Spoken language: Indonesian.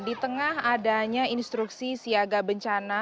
di tengah adanya instruksi siaga bencana